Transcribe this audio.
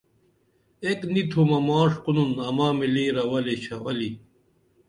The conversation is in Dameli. ایک نی تُھمہ ماش کُنُن اماں ملی رولی شولی